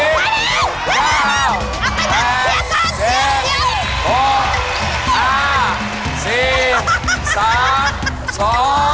เวลา